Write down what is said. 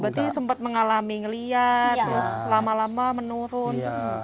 berarti sempat mengalami ngelihat terus lama lama menurun